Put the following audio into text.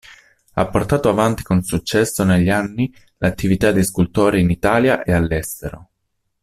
Ha portato avanti con successo negli anni l'attività di scultore in Italia e all'estero.